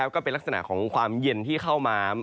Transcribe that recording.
ก็เป็นลักษณะของความเย็นที่เข้ามา